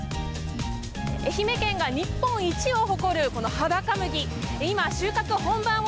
愛媛県が日本一を誇るこのはだか麦。